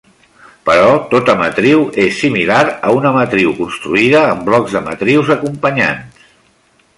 Però tota matriu és similar a una matriu construïda amb blocs de matrius acompanyants.